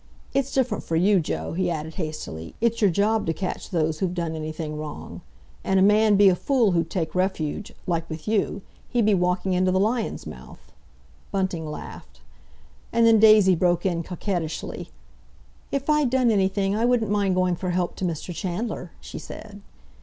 It's different for you, Joe," he added hastily. "It's your job to catch those who've done anything wrong. And a man'd be a fool who'd take refuge—like with you. He'd be walking into the lion's mouth—" Bunting laughed. And then Daisy broke in coquettishly: "If I'd done anything I wouldn't mind going for help to Mr. Chandler," she said.